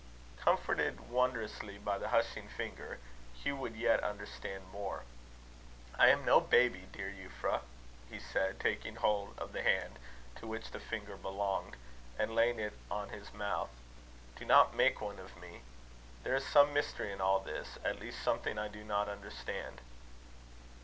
Comforted wondrously by the hushing finger, Hugh would yet understand more. "I am no baby, dear Euphra," he said, taking hold of the hand to which the finger belonged, and laying it on his mouth; "do not make one of me. There is some mystery in all this at least something I do not understand."